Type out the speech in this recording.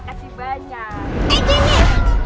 terima kasih banyak